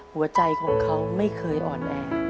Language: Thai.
หัวใจของเขาไม่เคยอ่อนแอ